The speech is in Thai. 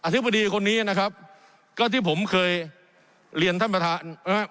ธิบดีคนนี้นะครับก็ที่ผมเคยเรียนท่านประธานนะครับ